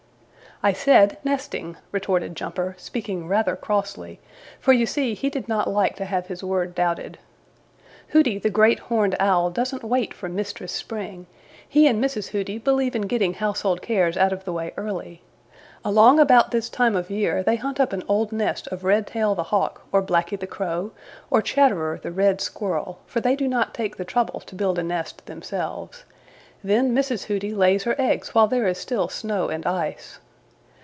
"I said NESTING," retorted Jumper, speaking rather crossly, for you see he did not like to have his word doubted. "Hooty the Great Horned Owl doesn't wait for Mistress Spring. He and Mrs. Hooty believe in getting household cares out of the way early. Along about this time of year they hunt up an old nest of Redtail the Hawk or Blacky the Crow or Chatterer the Red Squirrel, for they do not take the trouble to build a nest themselves. Then Mrs. Hooty lays her eggs while there is still snow and ice.